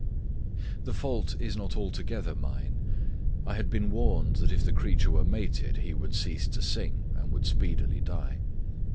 The fault is not altogether mine. I had been warned that if the creature were mated, he would cease to sing and would speedily die.